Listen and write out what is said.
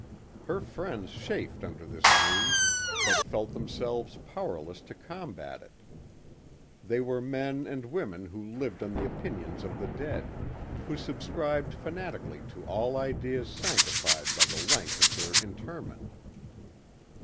Her friends chafed under this ruse, but felt themselves powerless to combat it. They were men and women who lived on the opinions of the dead, who subscribed fanatically to all ideas sanctified by the length of their interment.